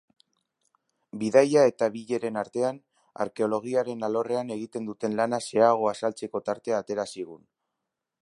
Bidaia eta bileren artean, arkeologiaren alorrean egiten duten lana xeheago azaltzeko tartea atera zigun.